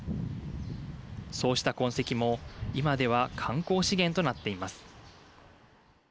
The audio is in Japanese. そうした痕跡も今では観光資源となっています。